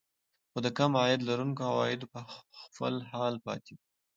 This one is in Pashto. خو د کم عاید لرونکو عوايد په خپل حال پاتې دي